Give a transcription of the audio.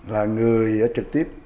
là người trực tiếp